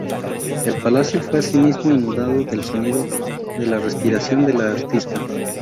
El palacio fue asimismo inundado del sonido de la respiración de la artista.